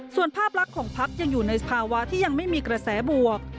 ส่วนภาพลักษณ์ของพักยังอยู่ในสภาวะที่ยังไม่มีกระแสบวก